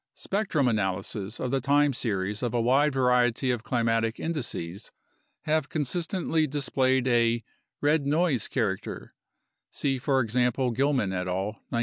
Spectrum analyses of the time series of a wide variety of climatic indices have consistently displayed a "red noise" character (see, for example, Gilman et al, 1963).